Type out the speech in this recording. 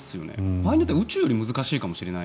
場合によっては宇宙よりも難しいかなと。